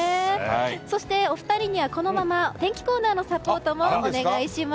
そして、お二人にはこのままお天気コーナーのサポートもお願いします。